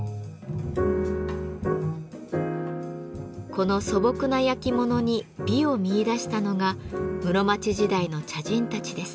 この素朴な焼き物に美を見いだしたのが室町時代の茶人たちです。